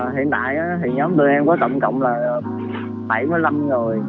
hiện tại thì nhóm tụ em có tổng cộng là bảy mươi năm người